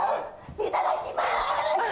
いただきます！